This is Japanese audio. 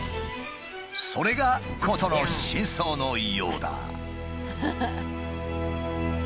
それが事の真相のようだ。